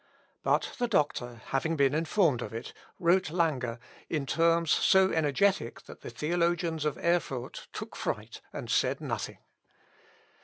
But the doctor, having been informed of it, wrote Lange, in terms so energetic that the theologians of Erfurt took fright, and said nothing.